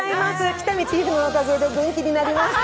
喜多見チーフのおかげで元気になりました。